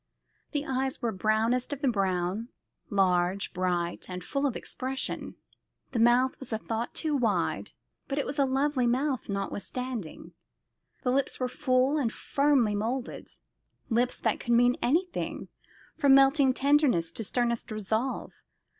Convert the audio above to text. The eyes were brownest of the brown, large, bright, and full of expression. The mouth was a thought too wide, but it was a lovely mouth notwithstanding. The lips were full and firmly moulded lips that could mean anything, from melting tenderness to sternest resolve.